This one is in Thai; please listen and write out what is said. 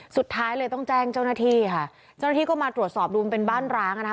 สุดท้ายเลยต้องแจ้งเจ้าหน้าที่ค่ะเจ้าหน้าที่ก็มาตรวจสอบดูมันเป็นบ้านร้างอ่ะนะคะ